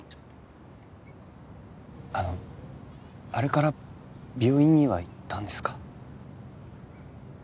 あのあれから病院には行ったんですか？